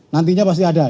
nantinya pasti ada